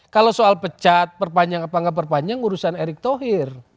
kalau soal pecat perpanjang apa nggak perpanjang urusan erick thohir